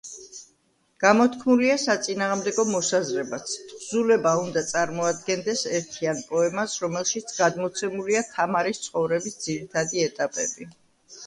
გამოთქმულია საწინააღმდეგო მოსაზრებაც: თხზულება უნდა წარმოადგენდეს ერთიან პოემას, რომელშიც გადმოცემულია თამარის ცხოვრების ძირითადი ეტაპები.